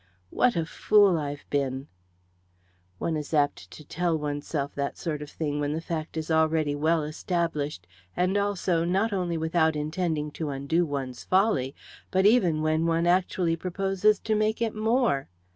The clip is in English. "What a fool I've been!" One is apt to tell oneself that sort of thing when the fact is already well established, and also, not only without intending to undo one's folly, but even when one actually proposes to make it more!